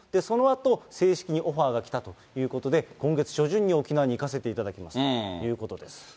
そのあと、正式にオファーが来たということで、今月初旬に沖縄に行かせていただきますということです。